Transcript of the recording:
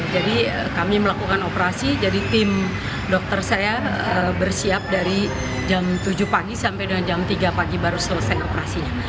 jadi kami melakukan operasi jadi tim dokter saya bersiap dari jam tujuh pagi sampai jam tiga pagi baru selesai operasinya